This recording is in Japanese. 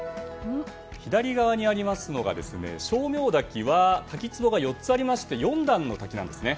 左側にあります称名滝は滝壺が４つありまして４段の滝なんですね。